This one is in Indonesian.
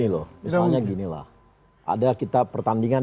misalnya gini loh ada kita pertandingan